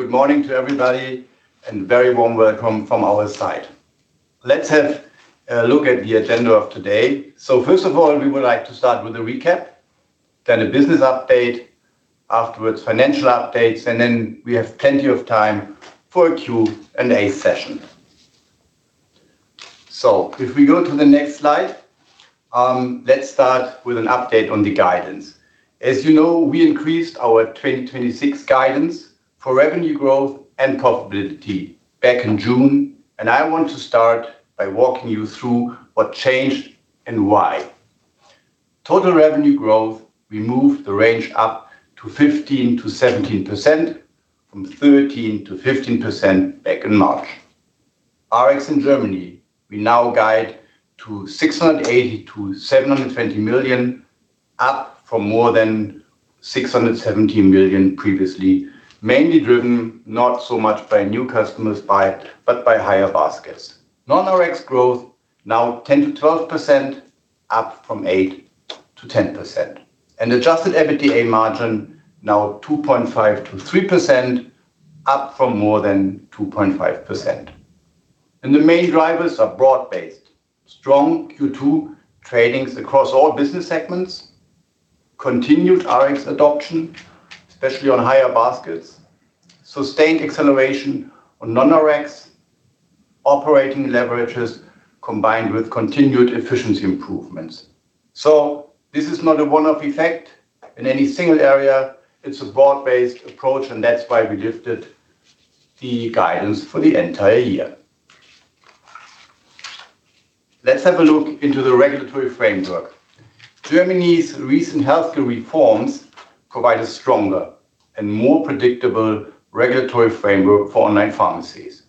Good morning to everybody and a very warm welcome from our side. Let's have a look at the agenda of today. First of all, we would like to start with a recap, then a business update, afterwards, financial updates, and then we have plenty of time for a Q&A session. If we go to the next slide, let's start with an update on the guidance. As you know, we increased our 2026 guidance for revenue growth and profitability back in June, and I want to start by walking you through what changed and why. Total revenue growth, we moved the range up to 15%-17%, from 13%-15% back in March. Rx in Germany, we now guide to 680 million-720 million, up from more than 617 million previously, mainly driven not so much by new customers, but by higher baskets. non-Rx growth, now 10%-12%, up from 8%-10%. Adjusted EBITDA margin now 2.5%-3%, up from more than 2.5%. The main drivers are broad-based. Strong Q2 tradings across all business segments, continued Rx adoption, especially on higher baskets, sustained acceleration on non-Rx, operating leverages combined with continued efficiency improvements. This is not a one-off effect in any single area. It's a broad-based approach, and that's why we lifted the guidance for the entire year. Let's have a look into the regulatory framework. Germany's recent healthcare reforms provide a stronger and more predictable regulatory framework for online pharmacies.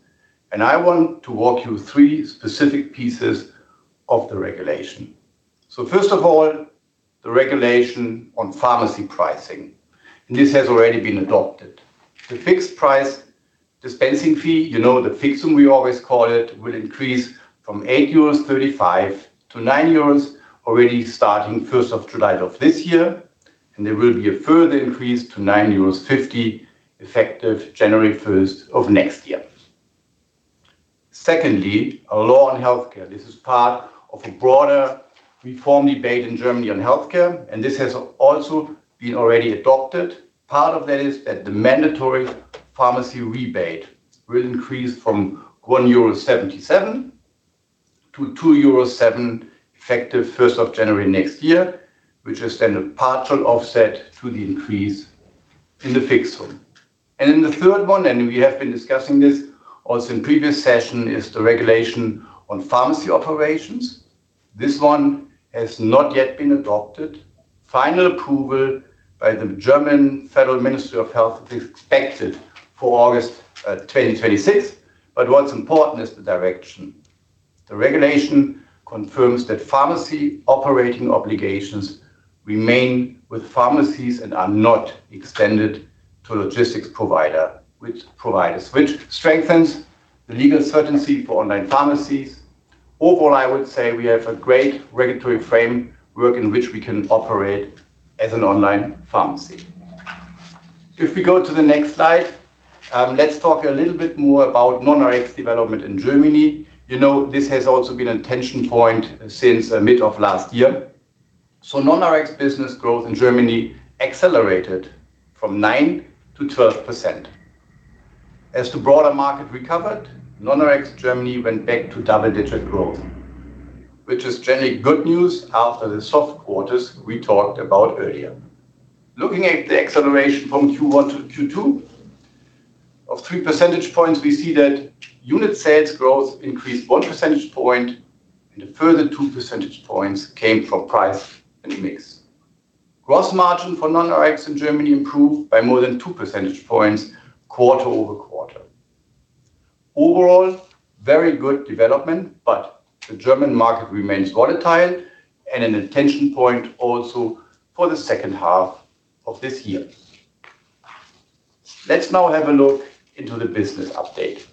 I want to walk you through three specific pieces of the regulation. First of all, the regulation on pharmacy pricing, and this has already been adopted. The fixed price dispensing fee, the Fixum we always call it, will increase from 8.35 euros to 9 euros, already starting July 1st of this year. There will be a further increase to 9.50 euros effective January 1st of next year. Secondly, a law on healthcare. This is part of a broader reform debate in Germany on healthcare, and this has also been already adopted. Part of that is that the mandatory pharmacy rebate will increase from 1.77 euro to 2.07 euro effective January 1st next year, which is then a partial offset to the increase in the Fixum. Then the third one, and we have been discussing this also in previous session, is the regulation on pharmacy operations. This one has not yet been adopted. Final approval by the German Federal Ministry of Health is expected for August 2026. What's important is the direction. The regulation confirms that pharmacy operating obligations remain with pharmacies and are not extended to logistics providers, which strengthens the legal certainty for online pharmacies. Overall, I would say we have a great regulatory framework in which we can operate as an online pharmacy. If we go to the next slide, let's talk a little bit more about non-Rx development in Germany. This has also been a tension point since mid of last year. non-Rx business growth in Germany accelerated from 9%-12%. As the broader market recovered, non-Rx Germany went back to double-digit growth, which is generally good news after the soft quarters we talked about earlier. Looking at the acceleration from Q1 to Q2 of 3 percentage points, we see that unit sales growth increased 1 percentage point, and a further 2 percentage points came from price and mix. Gross margin for non-Rx in Germany improved by more than two percentage points quarter-over-quarter. Overall, very good development, but the German market remains volatile and an attention point also for the second half of this year. Let's now have a look into the business update.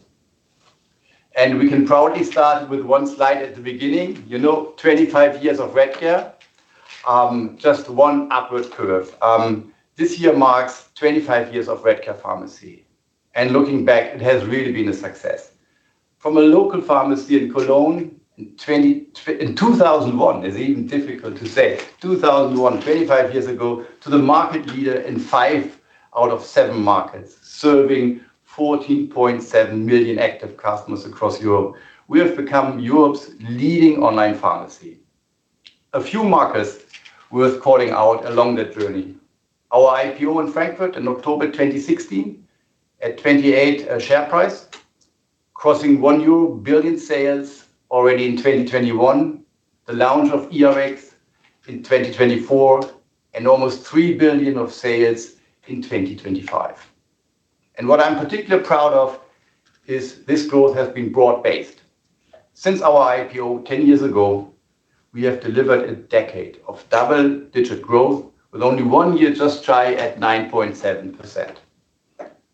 We can proudly start with one slide at the beginning. 25 years of Redcare, just one upward curve. This year marks 25 years of Redcare Pharmacy. Looking back, it has really been a success. From a local pharmacy in Cologne in 2001, it's even difficult to say, 2001, 25 years ago, to the market leader in five out of seven markets, serving 14.7 million active customers across Europe. We have become Europe's leading online pharmacy. A few markers worth calling out along that journey. Our IPO in Frankfurt in October 2016 at 28 share price, crossing 1 billion euro sales already in 2021, the launch of Rx in 2024, and almost 3 billion of sales in 2025. What I'm particularly proud of is this growth has been broad-based. Since our IPO 10 years ago, we have delivered a decade of double-digit growth with only one year just shy at 9.7%.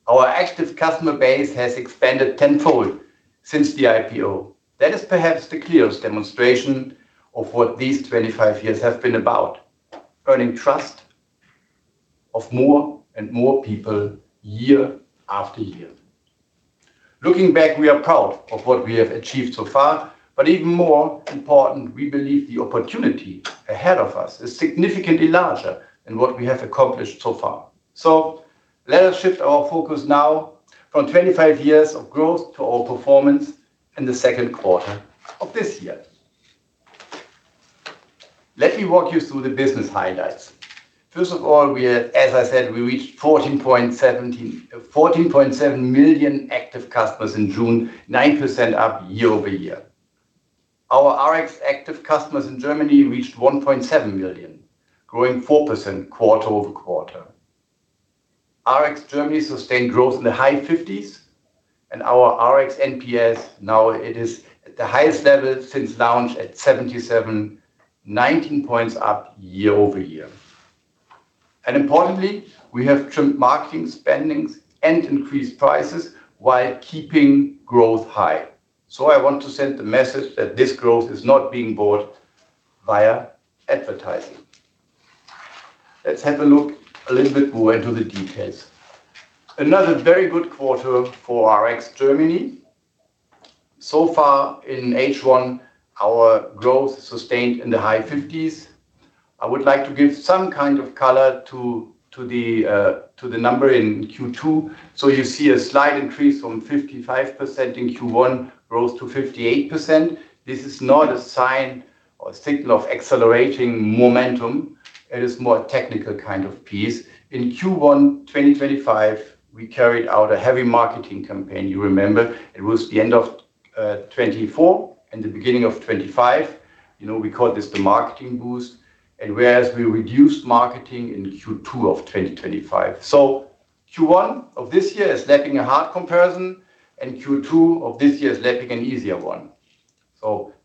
Our active customer base has expanded 10-fold since the IPO. That is perhaps the clearest demonstration of what these 25 years have been about. Earning trust of more and more people year after year. Looking back, we are proud of what we have achieved so far, but even more important, we believe the opportunity ahead of us is significantly larger than what we have accomplished so far. Let us shift our focus now from 25 years of growth to our performance in the second quarter of this year. Let me walk you through the business highlights. First of all, as I said, we reached 14.7 million active customers in June, 9% up year-over-year. Our Rx active customers in Germany reached 1.7 million, growing 4% quarter-over-quarter. Rx Germany sustained growth in the high 50s, and our Rx NPS now it is at the highest level since launch at 77, 19 points up year-over-year. Importantly, we have trimmed marketing spendings and increased prices while keeping growth high. I want to send the message that this growth is not being bought via advertising. Let's have a look a little bit more into the details. Another very good quarter for Rx Germany. So far in H1, our growth sustained in the high 50s. I would like to give some kind of color to the number in Q2. You see a slight increase from 55% in Q1 rose to 58%. This is not a sign or signal of accelerating momentum. It is more a technical kind of piece. In Q1 2025, we carried out a heavy marketing campaign. You remember, it was the end of 2024 and the beginning of 2025. We call this the marketing boost. Whereas we reduced marketing in Q2 of 2025. Q1 of this year is lacking a hard comparison, and Q2 of this year is lacking an easier one.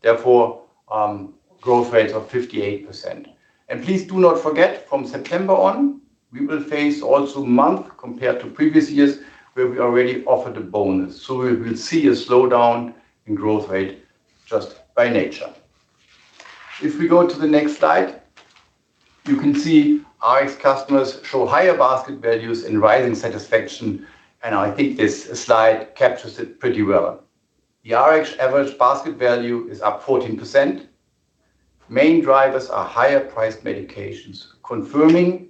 Therefore, growth rate of 58%. Please do not forget, from September on, we will face also month compared to previous years where we already offered a bonus. We will see a slowdown in growth rate just by nature. We go to the next slide, you can see Rx customers show higher basket values and rising satisfaction, and I think this slide captures it pretty well. The Rx average basket value is up 14%. Main drivers are higher-priced medications, confirming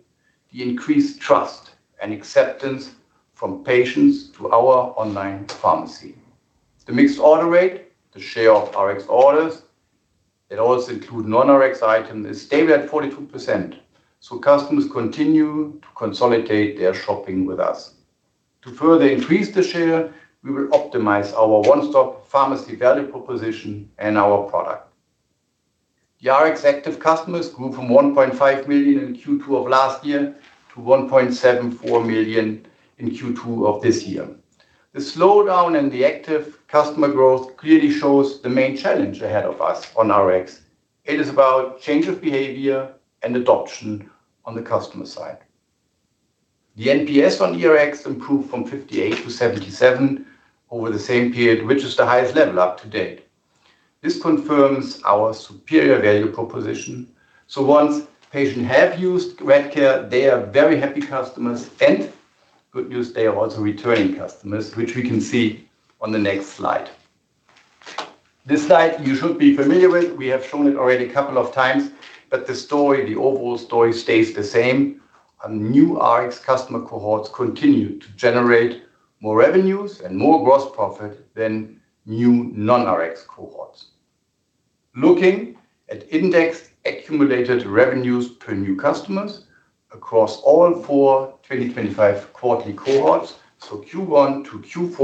the increased trust and acceptance from patients to our online pharmacy. The mixed order rate, the share of Rx orders, it also include non-Rx item, is stable at 42%. Customers continue to consolidate their shopping with us. To further increase the share, we will optimize our one-stop pharmacy value proposition and our product. The Rx active customers grew from 1.5 million in Q2 of last year to 1.74 million in Q2 of this year. The slowdown in the active customer growth clearly shows the main challenge ahead of us on Rx. It is about change of behavior and adoption on the customer side. The NPS on the Rx improved from 58 to 77 over the same period, which is the highest level up to date. This confirms our superior value proposition. Once patient have used Redcare Pharmacy, they are very happy customers. Good news, they are also returning customers, which we can see on the next slide. This slide you should be familiar with. We have shown it already a couple of times, the story, the overall story, stays the same. New Rx customer cohorts continue to generate more revenues and more gross profit than new non-Rx cohorts. Looking at indexed accumulated revenues per new customers across all four 2025 quarterly cohorts. Q1 to Q4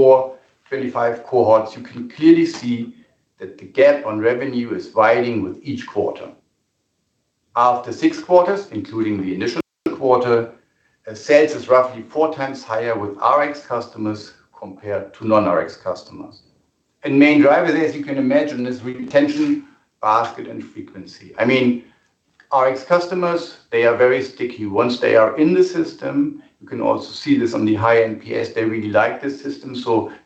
2025 cohorts, you can clearly see that the gap on revenue is widening with each quarter. After six quarters, including the initial quarter, sales is roughly four times higher with Rx customers compared to non-Rx customers. Main driver there, as you can imagine, is retention, basket, and frequency. I mean, Rx customers, they are very sticky. Once they are in the system, you can also see this on the high NPS. They really like this system.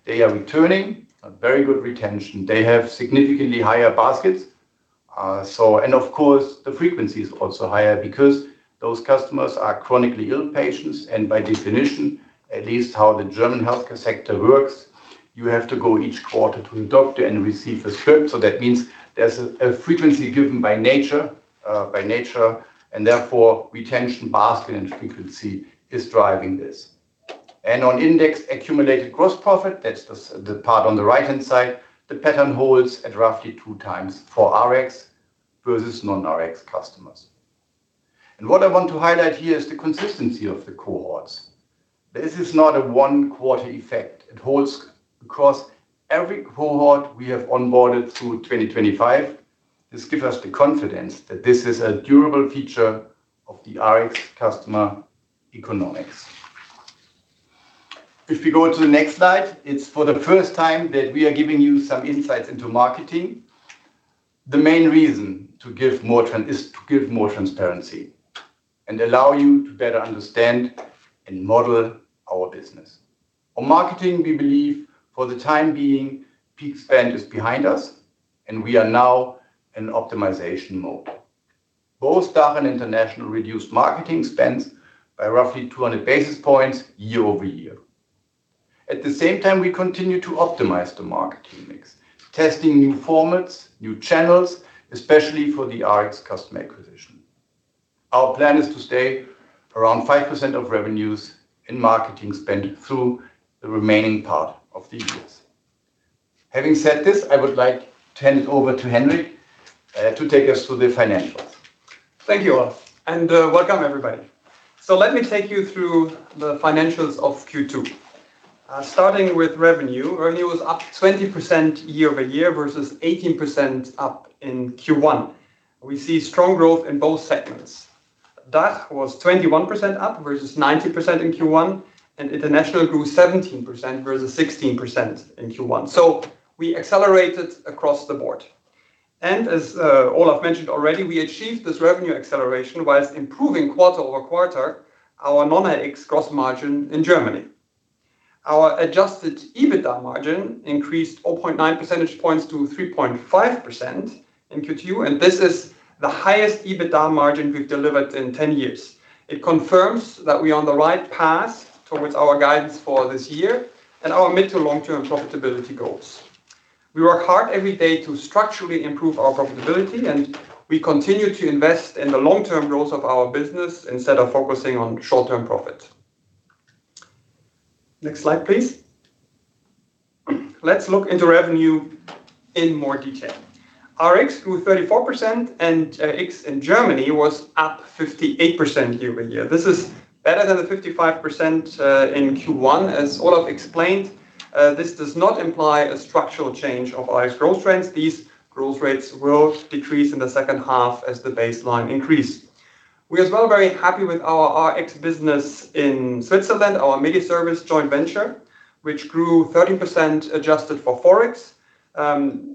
They are returning. A very good retention. They have significantly higher baskets. Of course, the frequency is also higher because those customers are chronically ill patients, and by definition, at least how the German healthcare sector works, you have to go each quarter to a doctor and receive a script. That means there's a frequency given by nature. Therefore, retention, basket, and frequency is driving this. On index accumulated gross profit, that's the part on the right-hand side, the pattern holds at roughly two times for Rx versus non-Rx customers. What I want to highlight here is the consistency of the cohorts. This is not a one-quarter effect. It holds across every cohort we have onboarded through 2025. This gives us the confidence that this is a durable feature of the Rx customer economics. We go to the next slide, it's for the first time that we are giving you some insights into marketing. The main reason is to give more transparency and allow you to better understand and model our business. On marketing, we believe for the time being, peak spend is behind us and we are now in optimization mode. Both DACH and international reduced marketing spends by roughly 200 basis points year-over-year. At the same time, we continue to optimize the marketing mix, testing new formats, new channels, especially for the Rx customer acquisition. Our plan is to stay around 5% of revenues in marketing spend through the remaining part of the year. Having said this, I would like to hand it over to Hendrik to take us through the financials. Thank you, Olaf, and welcome everybody. Let me take you through the financials of Q2. Starting with revenue was up 20% year-over-year versus 18% up in Q1. We see strong growth in both segments. DACH was 21% up versus 19% in Q1, and international grew 17% versus 16% in Q1. We accelerated across the board. As Olaf mentioned already, we achieved this revenue acceleration whilst improving quarter-over-quarter our non-Rx gross margin in Germany. Our adjusted EBITDA margin increased 0.9 percentage points to 3.5% in Q2, and this is the highest EBITDA margin we've delivered in 10 years. It confirms that we are on the right path towards our guidance for this year and our mid to long-term profitability goals. We work hard every day to structurally improve our profitability, and we continue to invest in the long-term growth of our business instead of focusing on short-term profit. Next slide, please. Let's look into revenue in more detail. Rx grew 34%, and Rx in Germany was up 58% year-over-year. This is better than the 55% in Q1. As Olaf explained, this does not imply a structural change of Rx growth trends. These growth rates will decrease in the second half as the baseline increase. We are as well very happy with our Rx business in Switzerland, our MediService joint venture, which grew 30% adjusted for Forex.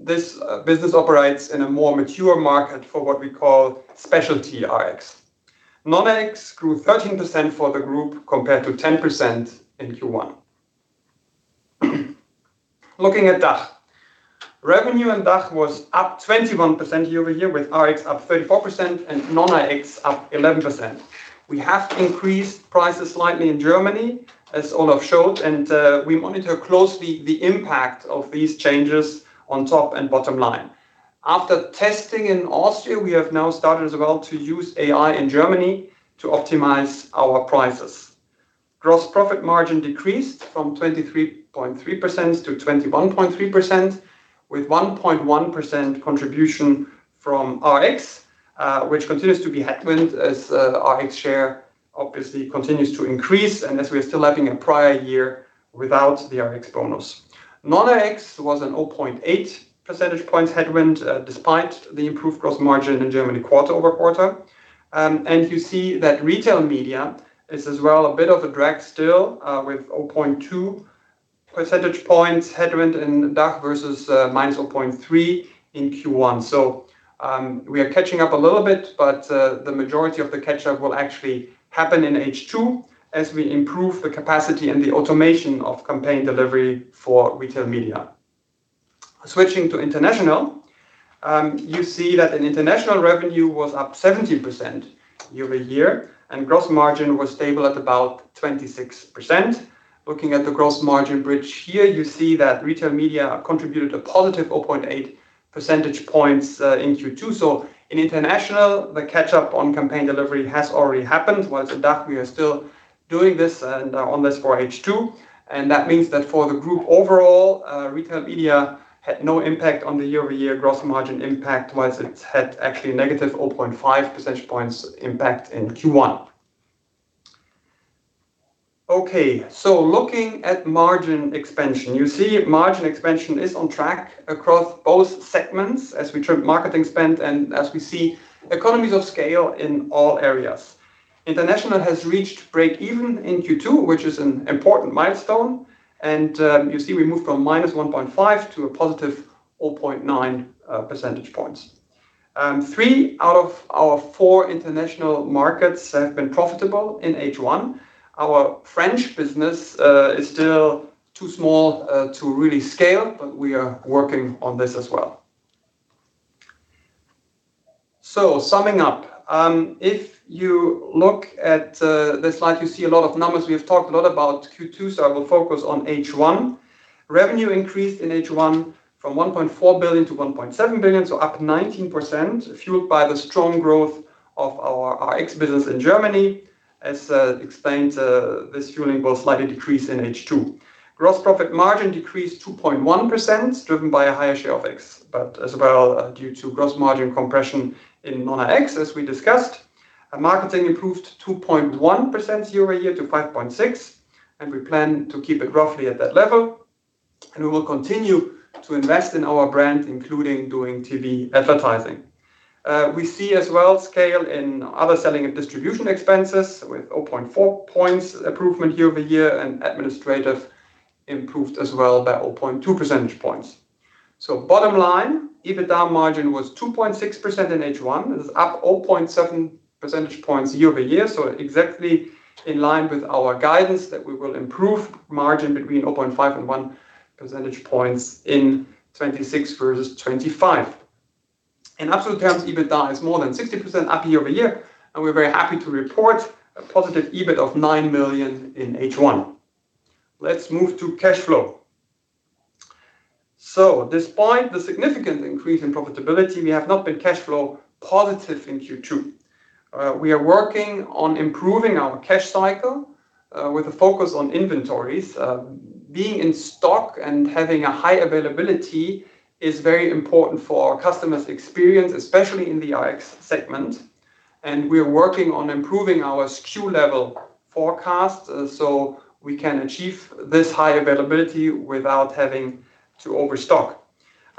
This business operates in a more mature market for what we call specialty Rx. Non-Rx grew 13% for the group compared to 10% in Q1. Looking at DACH. Revenue in DACH was up 21% year-over-year, with Rx up 34% and non-Rx up 11%. We have increased prices slightly in Germany, as Olaf showed, and we monitor closely the impact of these changes on top and bottom line. After testing in Austria, we have now started as well to use AI in Germany to optimize our prices. Gross profit margin decreased from 23.3% to 21.3%, with 1.1% contribution from Rx, which continues to be headwind as Rx share obviously continues to increase, and as we are still having a prior year without the Rx bonus. Non-Rx was an 0.8 percentage points headwind, despite the improved gross margin in Germany quarter-over-quarter. You see that retail media is as well a bit of a drag still, with 0.2 percentage points headwind in DACH versus -0.3 in Q1. We are catching up a little bit, the majority of the catch-up will actually happen in H2 as we improve the capacity and the automation of campaign delivery for retail media. Switching to international, you see that in international revenue was up 17% year-over-year, and gross margin was stable at about 26%. Looking at the gross margin bridge here, you see that retail media contributed a positive 0.8 percentage points in Q2. In international, the catch-up on campaign delivery has already happened, whilst in DACH we are still doing this and are on this for H2. That means that for the group overall, retail media had no impact on the year-over-year gross margin impact, whilst it had actually a negative 0.5 percentage points impact in Q1. Looking at margin expansion. You see margin expansion is on track across both segments as we trim marketing spend and as we see economies of scale in all areas. International has reached break even in Q2, which is an important milestone, and you see we moved from -1.5 to a +0.9 percentage points. Three out of our four international markets have been profitable in H1. Our French business is still too small to really scale, but we are working on this as well. Summing up. If you look at the slide, you see a lot of numbers. We have talked a lot about Q2, I will focus on H1. Revenue increased in H1 from 1.4 billion to 1.7 billion, up 19%, fueled by the strong growth of our Rx business in Germany. As explained, this fueling will slightly decrease in H2. Gross profit margin decreased 2.1%, driven by a higher share of Rx, but as well due to gross margin compression in non-Rx as we discussed. Marketing improved 2.1% year-over-year to 5.6%, and we plan to keep it roughly at that level. We will continue to invest in our brand, including doing TV advertising. We see as well scale in other selling of distribution expenses with 0.4 percentage points improvement year-over-year, and administrative improved as well by 0.2 percentage points. Bottom line, EBITDA margin was 2.6% in H1. It is up 0.7 percentage points year-over-year, exactly in line with our guidance that we will improve margin between 0.5 and 1 percentage points in 2026 versus 2025. In absolute terms, EBITDA is more than 60% up year-over-year, and we're very happy to report a positive EBIT of 9 million in H1. Let's move to cash flow. Despite the significant increase in profitability, we have not been cash flow positive in Q2. We are working on improving our cash cycle with a focus on inventories. Being in stock and having a high availability is very important for our customers' experience, especially in the Rx segment. We are working on improving our SKU level forecast so we can achieve this high availability without having to overstock.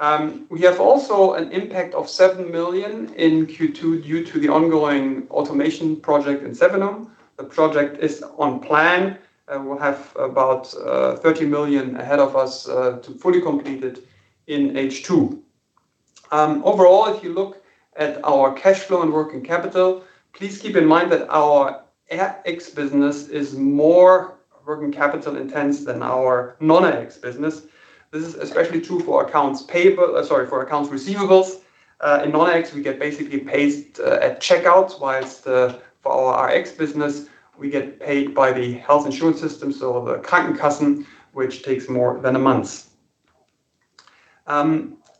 We have also an impact of 7 million in Q2 due to the ongoing automation project in Sevenum. The project is on plan, and we'll have about 30 million ahead of us to fully complete it in H2. Overall, if you look at our cash flow and working capital, please keep in mind that our Rx business is more working capital intense than our non-Rx business. This is especially true for accounts receivables. In non-Rx, we get basically paid at checkout, whilst for our Rx business, we get paid by the health insurance system, so the Krankenkassen, which takes more than a month.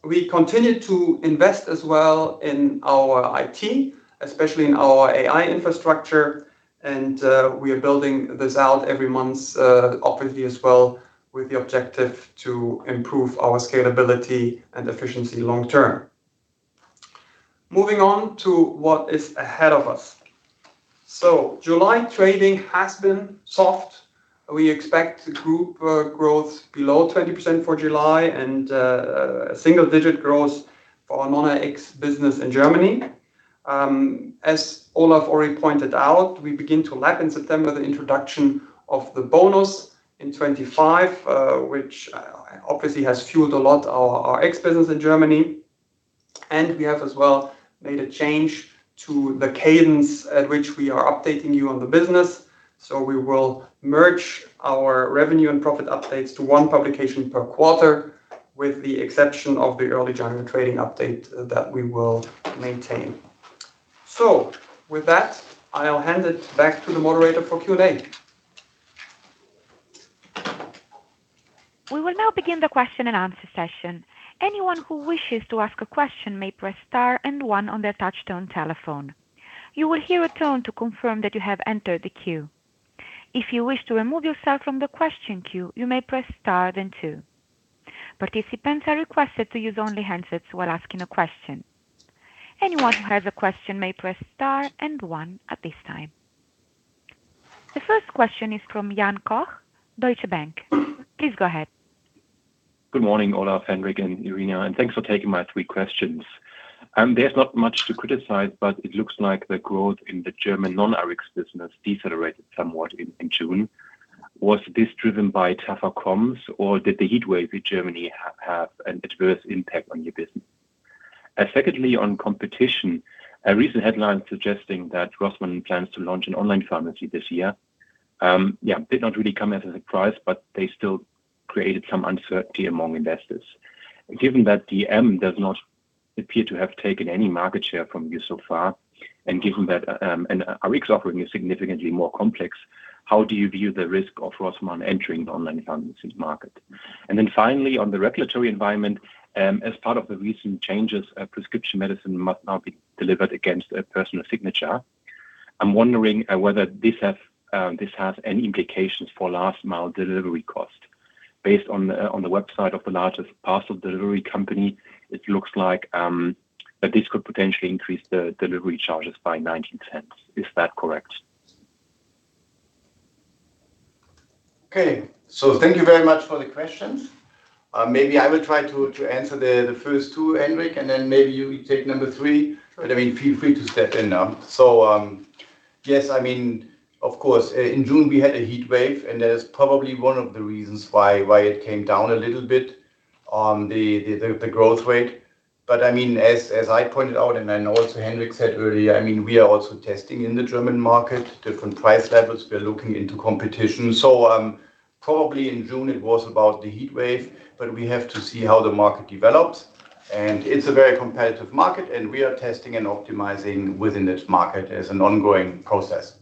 We continue to invest as well in our IT, especially in our AI infrastructure. We are building this out every month, obviously as well with the objective to improve our scalability and efficiency long term. Moving on to what is ahead of us. July trading has been soft. We expect group growth below 20% for July and single-digit growth for our non-Rx business in Germany. As Olaf already pointed out, we begin to lap in September the introduction of the bonus in 2025, which obviously has fueled a lot our Rx business in Germany. We have as well made a change to the cadence at which we are updating you on the business. We will merge our revenue and profit updates to one publication per quarter, with the exception of the early general trading update that we will maintain. With that, I'll hand it back to the moderator for Q&A. We will now begin the question and answer session. Anyone who wishes to ask a question may press star and one on their touchtone telephone. You will hear a tone to confirm that you have entered the queue. If you wish to remove yourself from the question queue, you may press star, then two. Participants are requested to use only handsets while asking a question. Anyone who has a question may press star and one at this time. The first question is from Jan Koch, Deutsche Bank. Please go ahead. Good morning, Olaf, Hendrik, and Irina, and thanks for taking my three questions. There's not much to criticize, but it looks like the growth in the German non-Rx business decelerated somewhat in June. Was this driven by tougher comps, or did the heat wave in Germany have an adverse impact on your business? Secondly, on competition, a recent headline suggesting that Rossmann plans to launch an online pharmacy this year. Yeah, did not really come as a surprise, but they still created some uncertainty among investors. Given that DM does not appear to have taken any market share from you so far, and given that an Rx offering is significantly more complex, how do you view the risk of Rossmann entering the online pharmacies market? Then finally, on the regulatory environment, as part of the recent changes, prescription medicine must now be delivered against a personal signature. I'm wondering whether this has any implications for last mile delivery cost. Based on the website of the largest parcel delivery company, it looks like this could potentially increase the delivery charges by 0.19. Is that correct? Thank you very much for the questions. I will try to answer the first two, Hendrik, and then you take number three. I mean, feel free to step in. Yes, of course, in June, we had a heat wave, and that is probably one of the reasons why it came down a little bit on the growth rate. As I pointed out, and I know also Hendrik said earlier, we are also testing in the German market, different price levels. We are looking into competition. Probably in June it was about the heat wave, but we have to see how the market develops. It's a very competitive market, and we are testing and optimizing within that market as an ongoing process.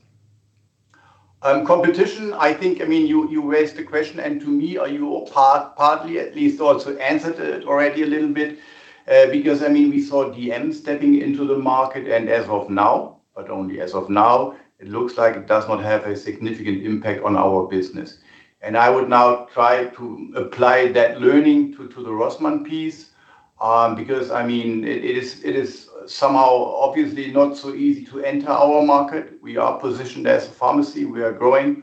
Competition, I think you raised the question, and to me, you partly at least also answered it already a little bit. We saw DM stepping into the market, and as of now, but only as of now, it looks like it does not have a significant impact on our business. I would now try to apply that learning to the Rossmann piece. It is somehow obviously not so easy to enter our market. We are positioned as a pharmacy. We are growing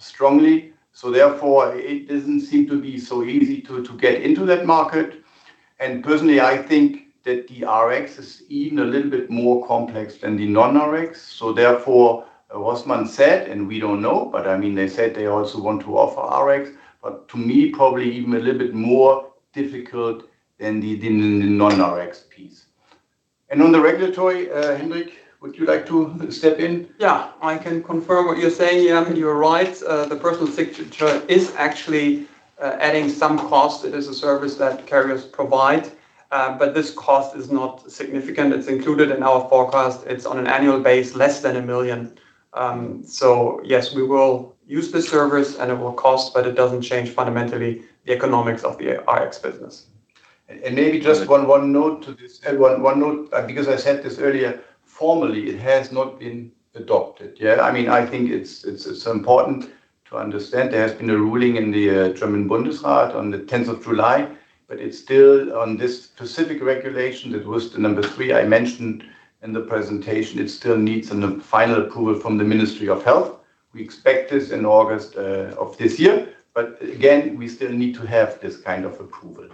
strongly, therefore it doesn't seem to be so easy to get into that market. Personally, I think that the Rx is even a little bit more complex than the non-Rx. Therefore, Rossmann said, and we don't know, but they said they also want to offer Rx. To me, probably even a little bit more difficult than the non-Rx piece. On the regulatory, Hendrik, would you like to step in? I can confirm what you are saying, Jan, you are right. The personal signature is actually adding some cost. It is a service that carriers provide. This cost is not significant. It's included in our forecast. It's on an annual base, less than 1 million. Yes, we will use the service and it will cost, but it doesn't change fundamentally the economics of the Rx business. Maybe just one note to this, because I said this earlier, formally it has not been adopted yet. I think it's important to understand there has been a ruling in the German Bundesrat on the 10th of July, it's still on this specific regulation. That was the number three I mentioned in the presentation. It still needs the final approval from the Ministry of Health. We expect this in August of this year. Again, we still need to have this kind of approval.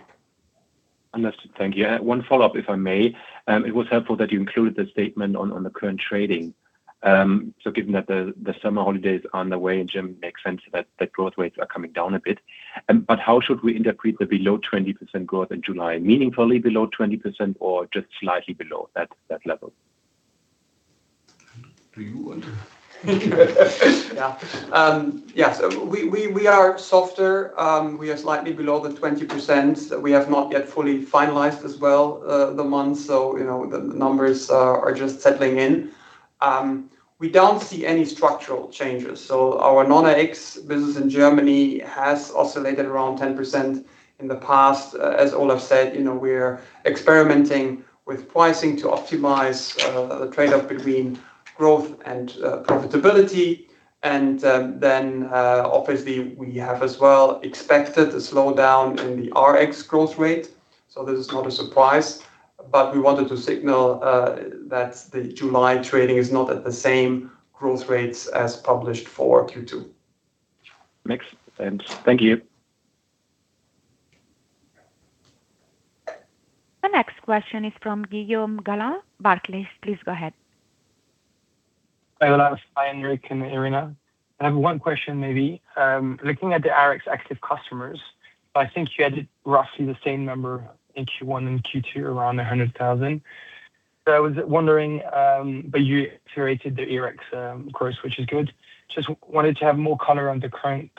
Understood. Thank you. One follow-up, if I may. It was helpful that you included the statement on the current trading. Given that the summer holiday is on the way in Germany, it makes sense that growth rates are coming down a bit. How should we interpret the below 20% growth in July? Meaningfully below 20% or just slightly below that level? Do you want to? Yeah. We are softer. We are slightly below the 20%. We have not yet fully finalized as well the month, so the numbers are just settling in. We don't see any structural changes. Our non-Rx business in Germany has oscillated around 10% in the past. As Olaf said, we're experimenting with pricing to optimize the trade-off between growth and profitability. Obviously, we have as well expected a slowdown in the Rx growth rate. This is not a surprise, but we wanted to signal that the July trading is not at the same growth rates as published for Q2. Makes sense. Thank you. The next question is from Guillaume Galland, Barclays. Please go ahead. Hi, Olaf. Hi, Hendrik and Irina. I have one question maybe. Looking at the Rx active customers, I think you had roughly the same number in Q1 and Q2, around 100,000. I was wondering, but you accelerated the Rx growth, which is good. Just wanted to have more color on the current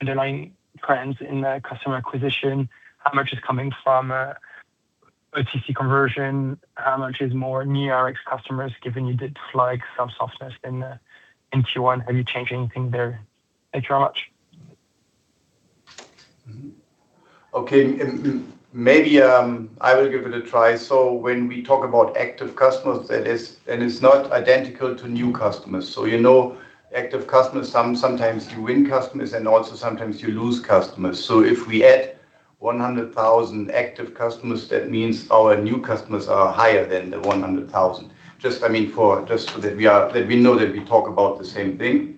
underlying trends in the customer acquisition, how much is coming from OTC conversion, how much is more new Rx customers, given you did flag some softness in Q1. Have you changed anything there? Thank you very much. Okay. Maybe I will give it a try. When we talk about active customers, that is not identical to new customers. You know active customers, sometimes you win customers and also sometimes you lose customers. If we add 100,000 active customers, that means our new customers are higher than the 100,000. Just so that we know that we talk about the same thing.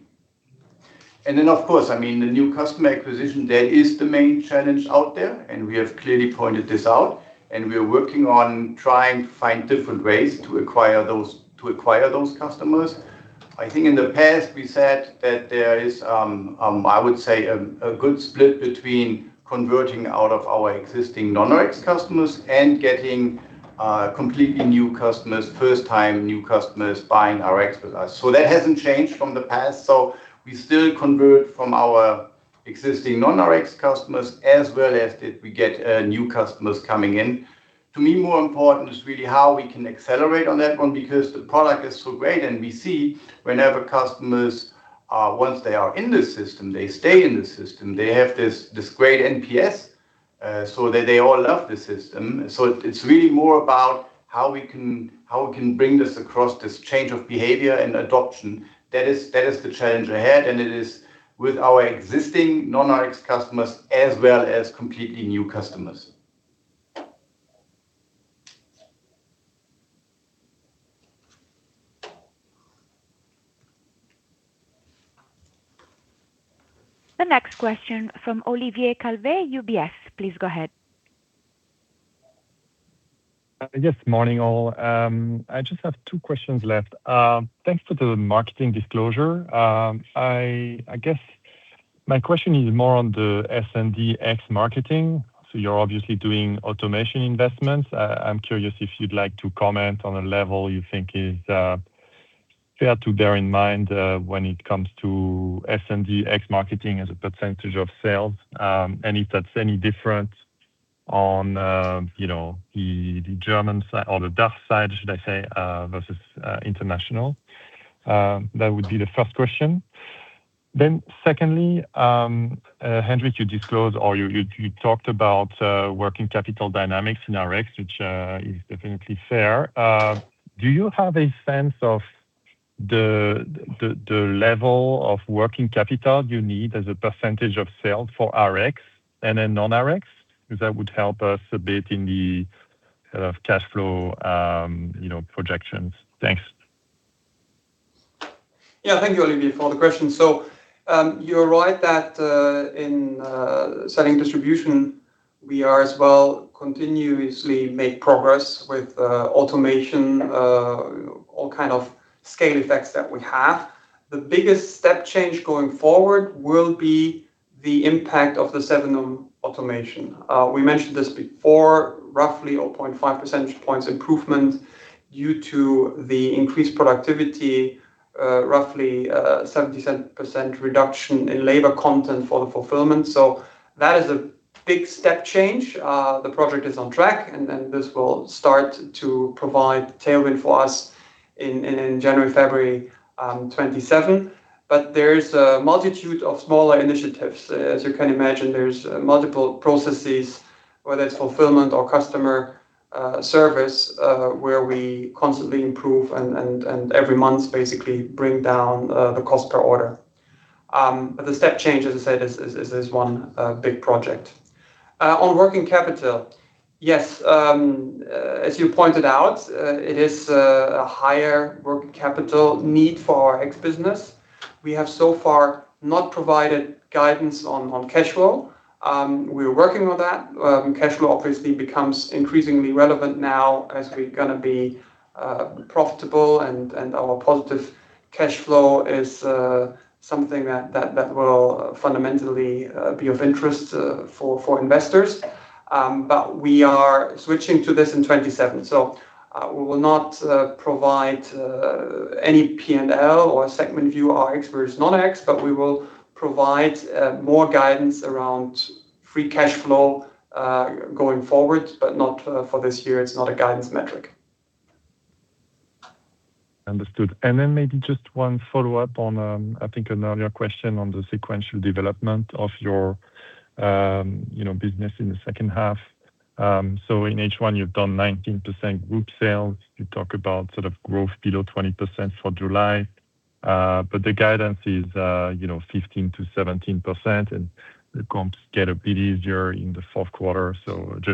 Then, of course, the new customer acquisition, that is the main challenge out there, and we have clearly pointed this out, and we are working on trying to find different ways to acquire those customers. I think in the past we said that there is, I would say, a good split between converting out of our existing non-Rx customers and getting completely new customers, first time new customers buying Rx with us. That hasn't changed from the past. We still convert from our existing non-Rx customers as well as we get new customers coming in. To me, more important is really how we can accelerate on that one, because the product is so great, and we see whenever customers, once they are in the system, they stay in the system. They have this great NPS. They all love the system. It's really more about how we can bring this across, this change of behavior and adoption. That is the challenge ahead, and it is with our existing non-Rx customers as well as completely new customers. The next question from Olivier Calvet, UBS. Please go ahead. Yes. Morning, all. I just have two questions left. Thanks for the marketing disclosure. I guess my question is more on the SNDX marketing. You're obviously doing automation investments. I'm curious if you'd like to comment on a level you think is fair to bear in mind when it comes to SNDX marketing as a percentage of sales, and if that's any different on the German side, or the DACH side, should I say, versus international. That would be the first question. Then secondly, Hendrik, you disclosed or you talked about working capital dynamics in Rx, which is definitely fair. Do you have a sense of the level of working capital you need as a percentage of sales for Rx and then non-Rx? Because that would help us a bit in the cash flow projections. Thanks. Thank you, Olivier, for the question. You're right that in selling distribution, we are as well continuously make progress with automation. All kind of scale effects that we have. The biggest step change going forward will be the impact of the Sevenum automation. We mentioned this before, roughly 0.5 percentage points improvement due to the increased productivity, roughly 70% reduction in labor content for the fulfillment. That is a big step change. The project is on track, this will start to provide tailwind for us in January, February 2027. There is a multitude of smaller initiatives. As you can imagine, there's multiple processes, whether it's fulfillment or customer service, where we constantly improve and every month basically bring down the cost per order. The step change, as I said, is this one big project. On working capital, yes, as you pointed out, it is a higher working capital need for our Rx business. We have so far not provided guidance on cash flow. We're working on that. Cash flow obviously becomes increasingly relevant now as we're going to be profitable and our positive cash flow is something that will fundamentally be of interest for investors. We are switching to this in 2027, we will not provide any P&L or segment view, Rx versus non-Rx, we will provide more guidance around free cash flow going forward, but not for this year. It's not a guidance metric. Understood. Maybe just one follow-up on, I think, an earlier question on the sequential development of your business in the second half. In H1, you've done 19% group sales. You talk about growth below 20% for July. The guidance is 15%-17%, the comps get a bit easier in the fourth quarter.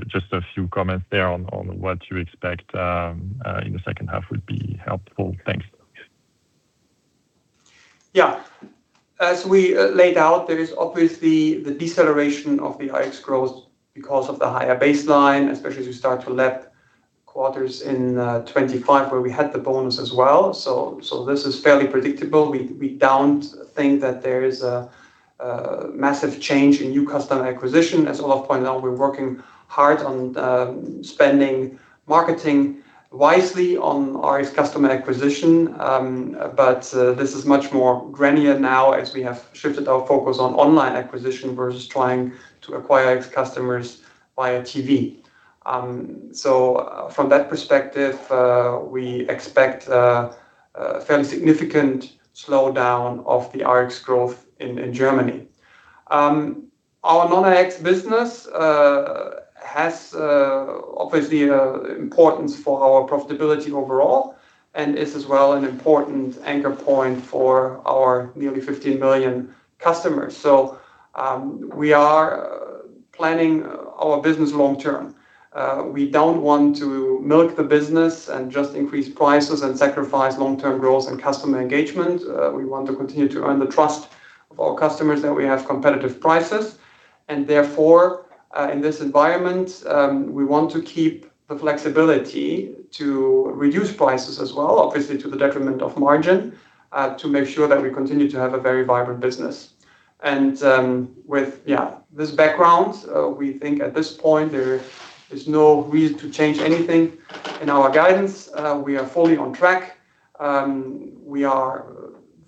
Just a few comments there on what you expect in the second half would be helpful. Thanks. As we laid out, there is obviously the deceleration of the Rx growth because of the higher baseline, especially as you start to lap quarters in 2025 where we had the bonus as well. This is fairly predictable. We don't think that there is a massive change in new customer acquisition. As Olaf pointed out, we're working hard on spending marketing wisely on Rx customer acquisition. This is much more grainier now as we have shifted our focus on online acquisition versus trying to acquire Rx customers via TV. From that perspective, we expect a fairly significant slowdown of the Rx growth in Germany. Our non-Rx business has obviously importance for our profitability overall and is as well an important anchor point for our nearly 15 million customers. We are planning our business long term. We don't want to milk the business and just increase prices and sacrifice long-term growth and customer engagement. We want to continue to earn the trust of our customers that we have competitive prices, and therefore, in this environment, we want to keep the flexibility to reduce prices as well, obviously to the detriment of margin, to make sure that we continue to have a very vibrant business. With this background, we think at this point, there is no reason to change anything in our guidance. We are fully on track. We are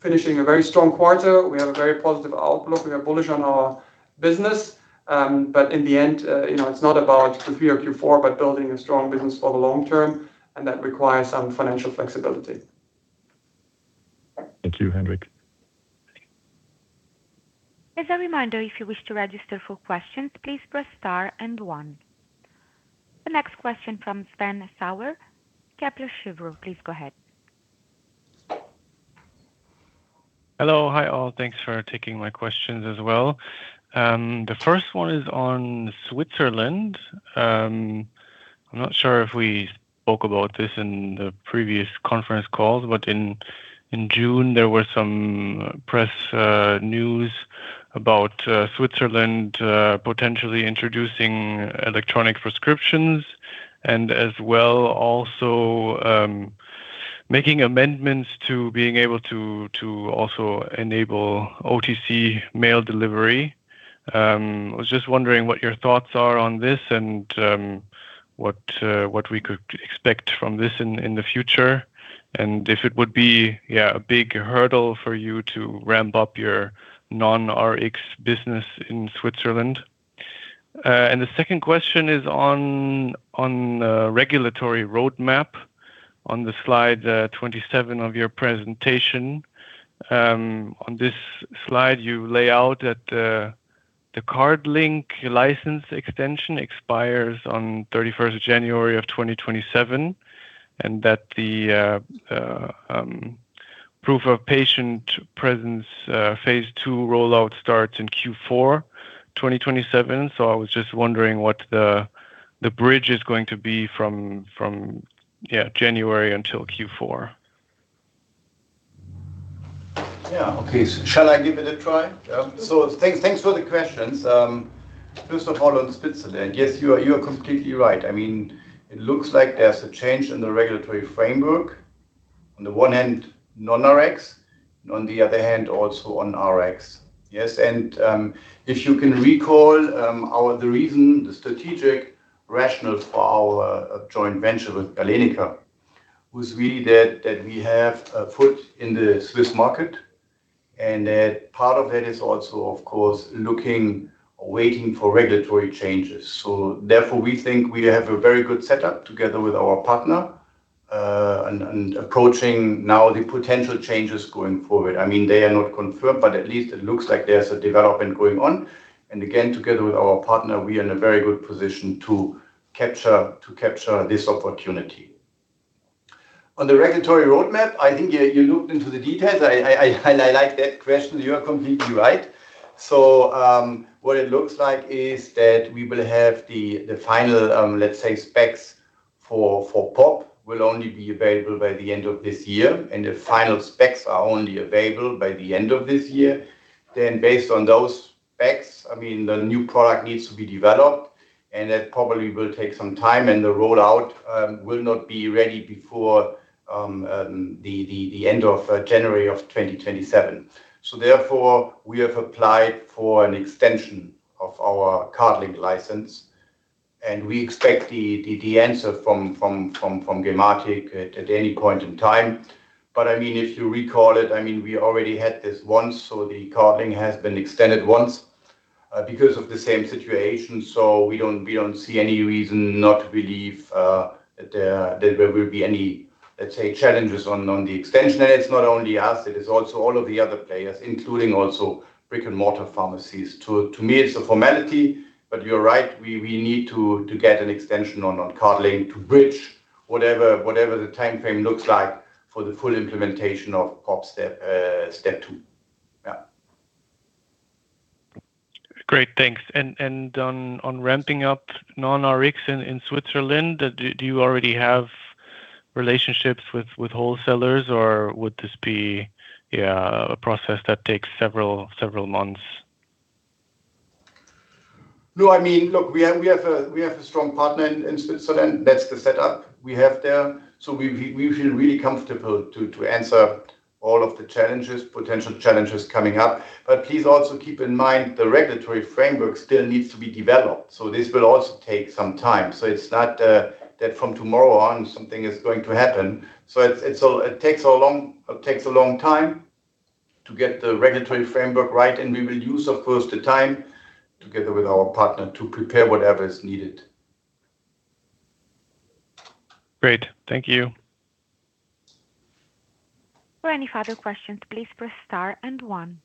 finishing a very strong quarter. We have a very positive outlook. We are bullish on our business. In the end, it's not about the Q3 or Q4, but building a strong business for the long term, and that requires some financial flexibility. Thank you, Hendrik. As a reminder, if you wish to register for questions, please press star and one. The next question from Sven Sauer, Kepler Cheuvreux. Please go ahead. Hello. Hi, all. Thanks for taking my questions as well. The first one is on Switzerland. I'm not sure if we spoke about this in the previous conference calls, but in June, there were some press news about Switzerland potentially introducing electronic prescriptions and as well also making amendments to being able to also enable OTC mail delivery. I was just wondering what your thoughts are on this and what we could expect from this in the future, and if it would be a big hurdle for you to ramp up your non-Rx business in Switzerland. The second question is on regulatory roadmap on the slide 27 of your presentation. On this slide, you lay out that the CardLink license extension expires on 31st of January of 2027, and that the proof of patient presence phase II rollout starts in Q4 2027. I was just wondering what the bridge is going to be from January until Q4. Yeah. Okay. Shall I give it a try? Yeah. Thanks for the questions. First of all, on Switzerland, yes, you are completely right. It looks like there's a change in the regulatory framework. On the one hand, non-Rx, and on the other hand, also on Rx. Yes, if you can recall, the reason, the strategic rational for our joint venture with Galenica was really that we have a foot in the Swiss market, and that part of it is also, of course, looking or waiting for regulatory changes. Therefore, we think we have a very good setup together with our partner, and approaching now the potential changes going forward. They are not confirmed, but at least it looks like there's a development going on. Again, together with our partner, we are in a very good position to capture this opportunity. On the regulatory roadmap, I think you looked into the details. I like that question. You are completely right. What it looks like is that we will have the final, let's say, specs for POP will only be available by the end of this year, and the final specs are only available by the end of this year. Then based on those specs, the new product needs to be developed, and that probably will take some time, and the rollout will not be ready before the end of January of 2027. Therefore, we have applied for an extension of our CardLink license, and we expect the answer from Gematik at any point in time. If you recall it, we already had this once, the CardLink has been extended once because of the same situation. We don't see any reason not to believe that there will be any, let's say, challenges on the extension. It's not only us, it is also all of the other players, including also brick-and-mortar pharmacies. To me, it's a formality, but you're right, we need to get an extension on CardLink to bridge whatever the timeframe looks like for the full implementation of POP step two. Yeah. Great. Thanks. On ramping up non-Rx in Switzerland, do you already have relationships with wholesalers, or would this be a process that takes several months? No. Look, we have a strong partner in Switzerland. That's the setup we have there. We feel really comfortable to answer all of the potential challenges coming up. Please also keep in mind the regulatory framework still needs to be developed. This will also take some time. It's not that from tomorrow on, something is going to happen. It takes a long time to get the regulatory framework right, and we will use, of course, the time together with our partner to prepare whatever is needed. Great. Thank you. For any further questions, please press star and one.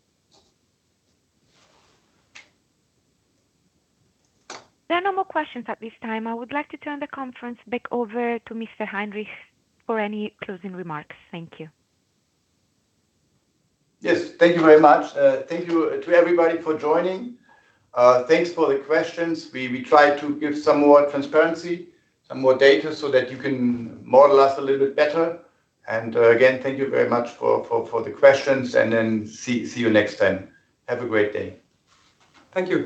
There are no more questions at this time. I would like to turn the conference back over to Mr. Heinrich for any closing remarks. Thank you. Yes. Thank you very much. Thank you to everybody for joining. Thanks for the questions. We try to give some more transparency, some more data so that you can model us a little bit better. Again, thank you very much for the questions. See you next time. Have a great day. Thank you